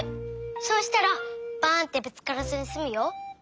そうしたらバンってぶつからずにすむよ。